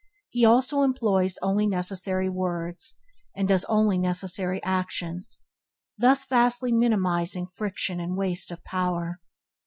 He also employs only necessary words, and does only necessary actions, thus vastly minimizing friction and waste of power.